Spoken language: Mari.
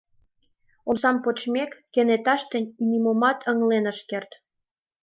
Омсам почмек, кенеташте нимомат ыҥлен ыш керт.